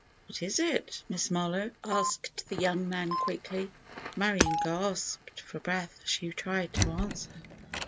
"What is it, Miss Marlowe?" asked the young man quickly. Marion gasped for breath as she tried to answer.